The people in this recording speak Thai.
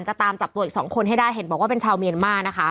ตามจับตัวอีกสองคนให้ได้เห็นบอกว่าเป็นชาวเมียนมานะคะ